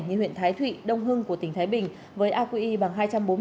như huyện thái thụy đông hưng của tỉnh thái bình với aqi bằng hai trăm bốn mươi